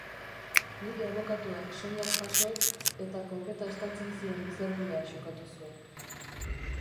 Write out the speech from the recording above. Nire abokatuak soinak jaso eta kopeta estaltzen zion izerdia xukatu zuen.